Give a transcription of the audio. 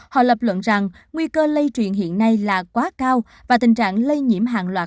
họ lập luận rằng nguy cơ lây truyền hiện nay là quá cao và tình trạng lây nhiễm hàng loạt